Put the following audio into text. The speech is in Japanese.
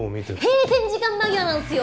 閉店時間間際なんっすよ